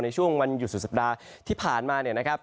ในช่วงวันหยุดสุดสัปดาห์ที่ผ่านมา